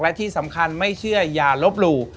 และที่สำคัญไม่เชื่ออย่าลบหลู่